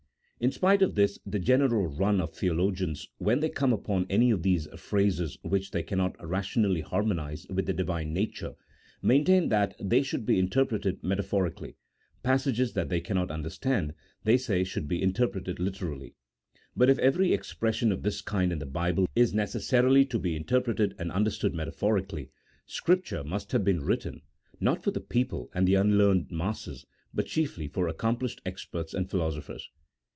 In spite of this the general run of theologians, when they come upon any of these phrases which they cannot rationally harmonize with the Divine nature, maintain that they should be interpreted metaphorically, passages they cannot understand they say should be interpreted literally. But if every expression of this kind in the Bible is neces sarily to be interpreted and understood metaphorically, Scripture must have been written, not for the people and the unlearned masses, but chiefly for accomplished experts and philosophers.